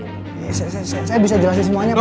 saya bisa jelasin semuanya pak